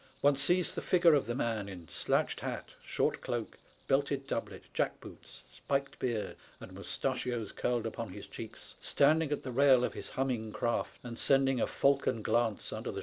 One sees the figure of the man, in slouched hat, short cloak, belted doublet, jack boots, spiked beard, and moustachios curled upon his cheeks, standing at the rail of his humming craft, and sending a falcon glance under the 291 SPANISH ABMADA.